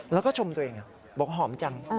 แล้วก็ชมตัวเองบอกว่าหอมจัง